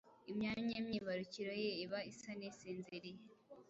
imyanya myibarukiro ye iba isa n’isinziriye.